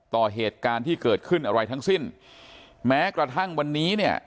ต่อเหตุการณ์ที่เกิดขึ้นอะไรทั้งสิ้นแม้กระทั่งวันนี้เนี่ย